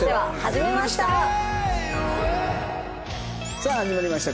さあ始まりました